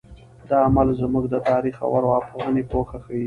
دا عمل زموږ د تاریخ او ارواپوهنې پوهه ښیي.